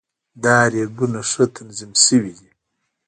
دا ریکونه ښه تنظیم شوي دي.